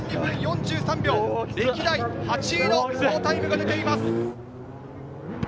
歴代８位の好タイムが出ています。